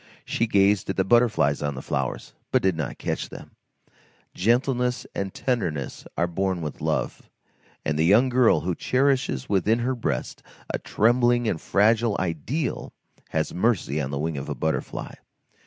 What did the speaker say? She gazed at the butterflies on the flowers, but did not catch them; gentleness and tenderness are born with love, and the young girl who cherishes within her breast a trembling and fragile ideal has mercy on the wing of a butterfly.